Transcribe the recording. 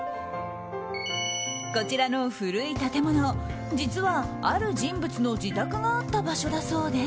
こちらの古い建物実は、ある人物の自宅があった場所だそうで。